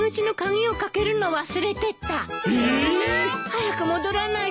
早く戻らないと。